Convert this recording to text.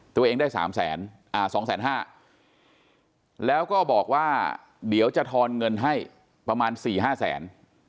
ตัวเองได้๓๕๐๐แล้วก็บอกว่าเดี๋ยวจะทอนเงินให้ประมาณ๔๕แสน